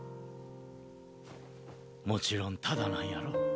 もちろんタダなんやろ？